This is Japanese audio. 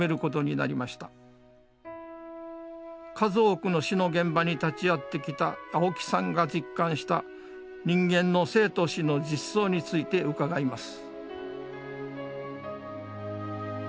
数多くの死の現場に立ち会ってきた青木さんが実感した人間の生と死の実相について伺います。